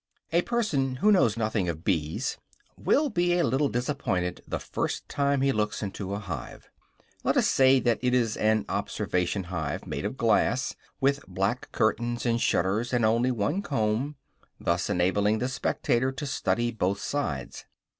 A person who knows nothing of bees will be a little disappointed the first time he looks into a hive. Let us say that it is an observation hive, made of glass, with black curtains and shutters and only one comb, thus enabling the spectator to study both sides.